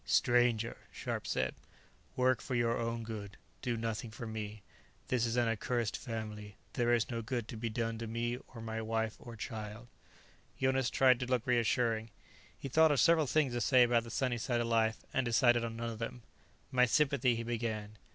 "Stranger," Scharpe said, "work for your own good; do nothing for me. This is an accursed family; there is no good to be done to me, or my wife or child." Jonas tried to look reassuring. He thought of several things to say about the sunny side of life, and decided on none or them. "My sympathy " he began.